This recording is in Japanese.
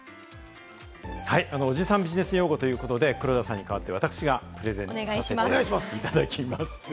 おじさんビジネス用語ということで黒田さんに代わって私がプレゼンさせていただきます。